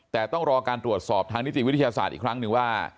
แต่ต้องรอการตรวจสอบทางนิติวิทยาศาสตร์อีกครั้งหนึ่งว่า